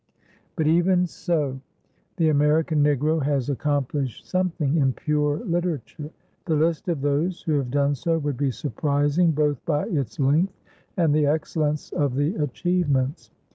But, even so, the American Negro has accomplished something in pure literature. The list of those who have done so would be surprising both by its length and the excellence of the achievements.